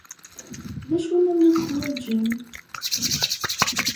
D acu-nniḍen i teḥwajem?